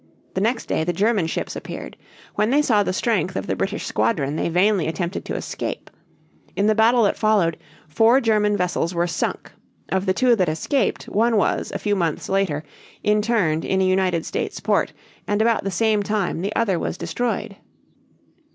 The next day the German ships appeared. When they saw the strength of the British squadron they vainly attempted to escape. In the battle that followed, four German vessels were sunk. Of the two that escaped one was, a few months later, interned in a United States port and about the same time the other was destroyed.